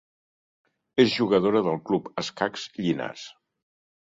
És jugadora del Club Escacs Llinars.